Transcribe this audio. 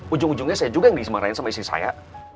ujung ujungnya saya juga yang disemarahin sama istri saya